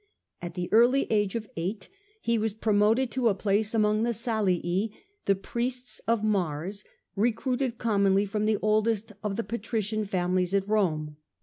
At the early age of eight he was promoted to a place among the Salii, the priests of Mars, recruited commonly from the oldest of the patrician families at Rome.